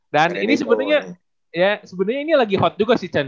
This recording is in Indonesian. dan ini sebenarnya lagi hot juga sih chen